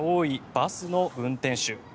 バスの運転手。